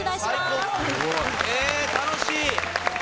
えっ楽しい！